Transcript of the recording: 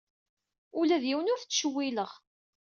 Ula d yiwen ur t-ttcewwileɣ.